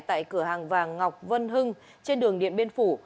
tại cửa hàng vàng ngọc vân hưng trên đường điện biên phủ